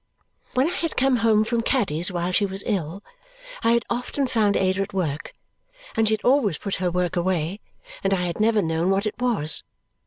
When I had come home from Caddy's while she was ill, I had often found Ada at work, and she had always put her work away, and I had never known what it was.